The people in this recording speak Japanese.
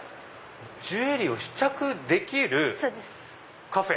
ジュエリーを試着できるカフェ？